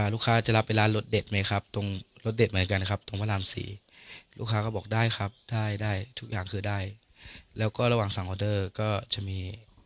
ลูกค้าก็บอกได้ครับได้ทุกอย่างคือได้แล้วก็ระหว่างสั่งออเดอร์ก็จะมี